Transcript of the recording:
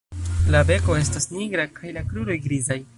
La beko estas nigra kaj la kruroj grizaj.